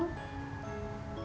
papi bisa datang ke rumah akang